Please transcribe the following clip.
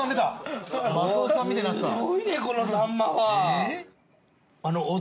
すごいねこのサンマは。